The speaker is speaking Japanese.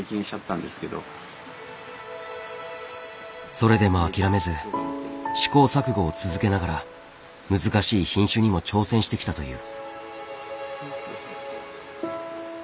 それでも諦めず試行錯誤を続けながら難しい品種にも挑戦してきたという。